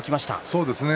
そうですね。